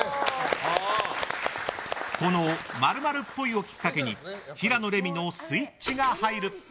この○○っぽいをきっかけに平野レミのスイッチが入る。